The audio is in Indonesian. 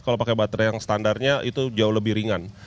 kalau pakai baterai yang standarnya itu jauh lebih ringan